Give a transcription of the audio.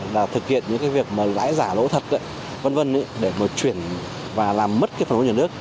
là thực hiện những cái việc mà lãi giả lỗ thật v v để mà chuyển và làm mất cái phần vốn nhà nước